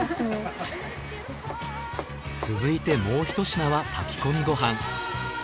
続いてもうひと品は炊き込みご飯。